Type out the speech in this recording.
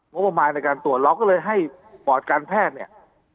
งบประมาณในการตรวจเราก็เลยให้ปอดการแพทย์เนี่ย